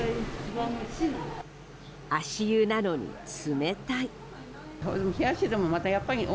足湯なのに、冷たい。